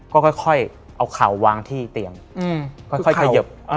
ก็ค่อยเอาเข่าวางที่เตียงค่อยเขยิบ